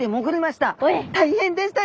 大変でしたよ